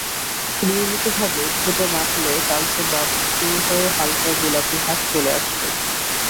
নিয়মিতভাবে ঠোঁটে মাখলে কালচে ভাব দূর হয়ে হালকা গোলাপি আভা চলে আসবে।